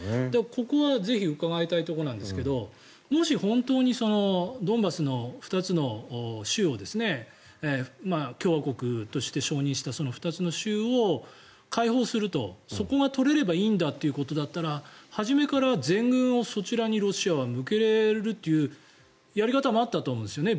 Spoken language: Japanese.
ここはぜひ伺いたいところですがもし本当にドンバスの２つの州を共和国として承認した２つの州を解放するとそこが取れればいいんだということだったら初めから全軍をそちらにロシアは向けられるというやり方もあったと思うんです。